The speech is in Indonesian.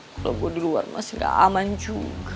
kalau gue di luar masih gak aman juga